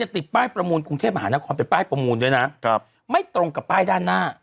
ตรงกับป้ายด้านหน้า